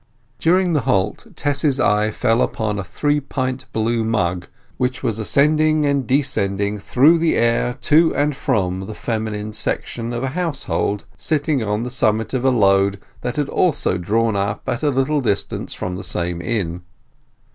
During the halt Tess's eyes fell upon a three pint blue mug, which was ascending and descending through the air to and from the feminine section of a household, sitting on the summit of a load that had also drawn up at a little distance from the same inn.